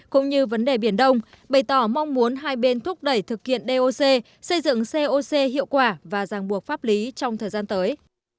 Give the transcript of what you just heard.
cũng như vấn đề biển đông bày tỏ mong muốn hai bên thúc đẩy thực kiện doc xây dựng coc hiệu quả và giang buộc pháp lý trong thời gian tới